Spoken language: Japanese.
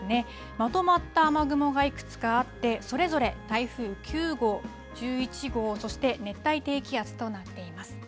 まとまった雨雲がいくつかあって、それぞれ台風９号、１１号、そして熱帯低気圧となっています。